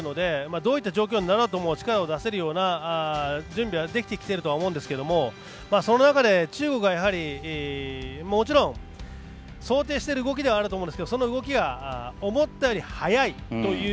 どういった状況になろうとも力を出せるような準備はできていると思うんですけどその中で中国は、もちろん想定している動きだとは思うんですけど、その動きが思ったより速いという。